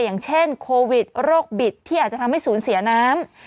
อย่างเช่นโควิดโรคบิดที่อาจจะทำให้ศูนย์เสียน้ำ